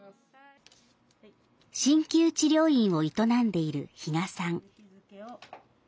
しんきゅう治療院を営んでいる比嘉さん。